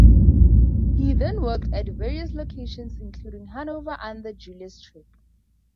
He then worked at various locations including Hanover under Julius Trip.